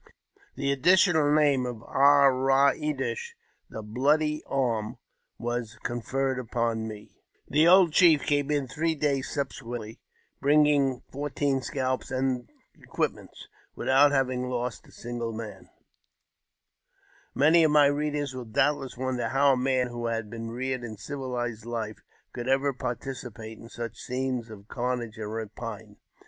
The idditional name of Ar ra e dish (the Bloody Arm) was con erred upon me. 196 AUTOBIOGBAPHY OF ■giovm e nial The old chief came in three days subsequently, bringing teen scalps and equipments, without having lost a single Many of my readers will doubtless wonder how a man wh"" had been reared in civilized life could ever participate in such scenes of carnage and rapine.